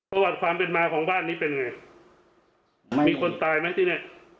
ประวัติความเป็นมาของบ้านนี้เป็นไงมีคนตายไหมที่เนี้ย